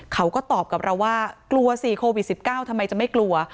เขาก็ตอบกับเราว่ากลัวสิโควิด๑๙ทำไมจะไม่กลัว